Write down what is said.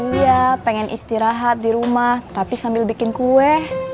iya pengen istirahat di rumah tapi sambil bikin kue